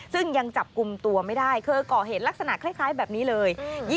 ซึ่งยังจับกลุ่มตัวไม่ได้เคยก่อเหตุลักษณะคล้ายแบบนี้เลย